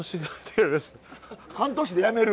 半年で辞める？